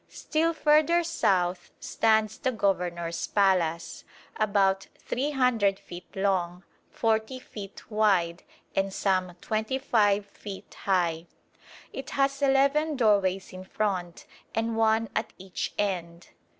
Still further south stands the Governor's Palace, about 300 feet long, 40 feet wide, and some 25 feet high. It has eleven doorways in front and one at each end.